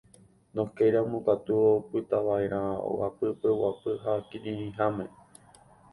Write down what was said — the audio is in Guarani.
Ndokéiramo katu opytava'erã ogapýpe guapy ha kirirĩháme.